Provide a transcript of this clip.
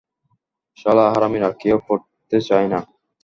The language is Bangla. শালা হারামিরা, কেউ পরতে চায় না!